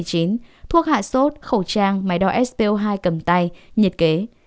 thuốc hạ sốt khẩu trang máy đo so hai cầm tay nhiệt kế